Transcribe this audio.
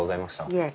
いえ。